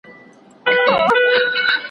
بېگانه مو په مابین کي عدالت دئ